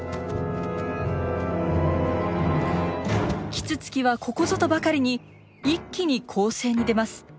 キツツキはここぞとばかりに一気に攻勢に出ます。